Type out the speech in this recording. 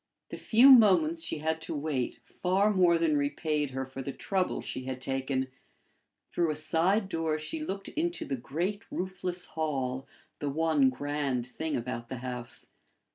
The few moments she had to wait far more than repaid her for the trouble she had taken: through a side door she looked into the great roofless hall, the one grand thing about the house.